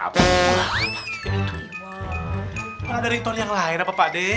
mana ada ringtone yang lain apa pak d